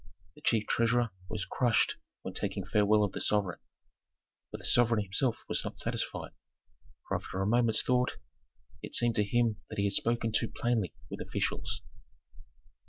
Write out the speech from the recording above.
The chief treasurer was crushed when taking farewell of the sovereign. But the sovereign himself was not satisfied, for after a moment's thought it seemed to him that he had spoken too plainly with officials.